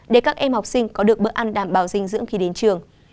để các em học sinh có được bữa ăn đảm bảo dinh dưỡng khi đến trường